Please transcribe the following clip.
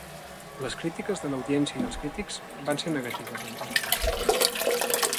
Les crítiques de l'audiència i els crítics van ser negatives en general.